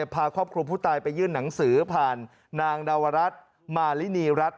พาครอบครัวผู้ตายไปยื่นหนังสือผ่านนางดาวรัฐมารินีรัฐ